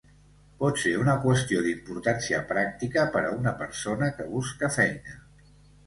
Pot ser una qüestió d'importància pràctica per a una persona que busca feina.